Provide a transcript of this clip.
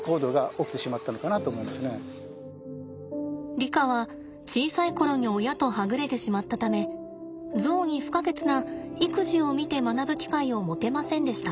リカは小さい頃に親とはぐれてしまったためゾウに不可欠な育児を見て学ぶ機会を持てませんでした。